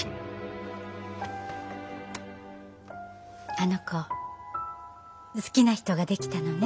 あの子好きな人ができたのね。